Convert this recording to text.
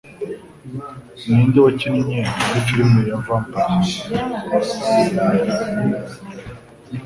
Ninde wakinnye muri firime ya Vampire ?